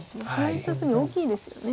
左下隅大きいですよね。